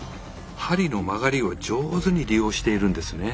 針の曲がりを上手に利用しているんですね。